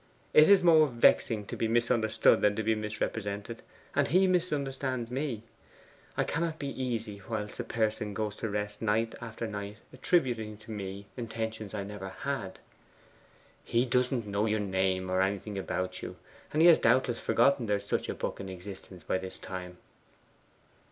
It is more vexing to be misunderstood than to be misrepresented; and he misunderstands me. I cannot be easy whilst a person goes to rest night after night attributing to me intentions I never had.' 'He doesn't know your name, or anything about you. And he has doubtless forgotten there is such a book in existence by this time.